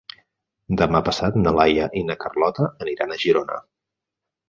Demà passat na Laia i na Carlota aniran a Girona.